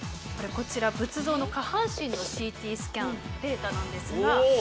こちら仏像の下半身のＣＴスキャンデータなんですが。